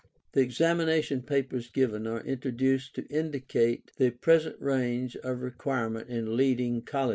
The Examination Papers given are introduced to indicate the present range of requirement in leading colleges.